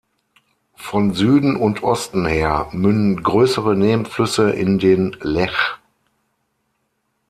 Von Süden und Osten her münden größere Nebenflüsse in den Lech.